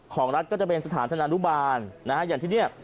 ของรัฐก็จะเป็นสถานธนานุบาลนะฮะอย่างที่เนี่ย